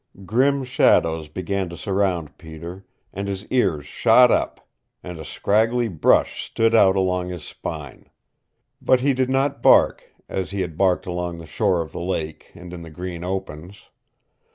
Grim shadows began to surround Peter, and his ears shot up, and a scraggly brush stood out along his spine. But he did not bark, as he had barked along the shore of the lake, and in the green opens.